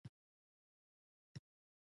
انډریو ډاټ باس د وضاحت په توګه وویل